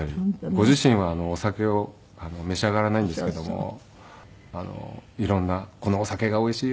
ご自身はお酒を召し上がらないんですけども色んな「このお酒がおいしいよ」